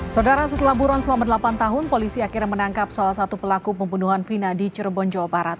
saudara setelah buron selama delapan tahun polisi akhirnya menangkap salah satu pelaku pembunuhan vina di cirebon jawa barat